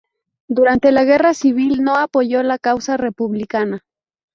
Durante la Guerra Civil no apoyó la causa republicana.